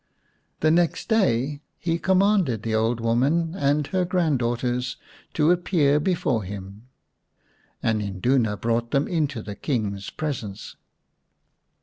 The next day he commanded the old woman and her grand daughters to appear before him. An Induna brought them into the King's presence.